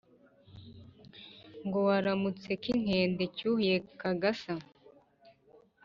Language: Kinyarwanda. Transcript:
ngo : waramutse cyinkende cyuhiye kagasa